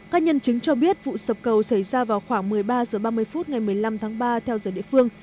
các nhân chứng cho biết vụ sập cầu xảy ra vào khoảng một mươi ba h ba mươi phút ngày một mươi năm tháng ba theo giờ địa phương